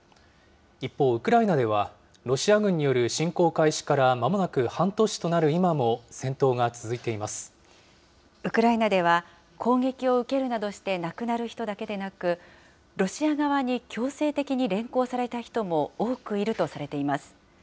一方、ウクライナでは、ロシア軍による侵攻開始からまもなく半年となる今も、戦闘が続いウクライナでは攻撃を受けるなどして亡くなる人だけでなく、ロシア側に強制的に連行された人も多くいるとされています。